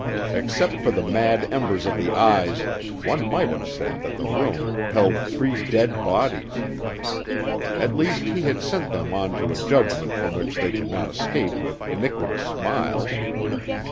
Except for the mad embers of the eyes, one might have said that the room held three dead bodies. At least he had sent them on to a judgment from which they could not escape with iniquitous smiles.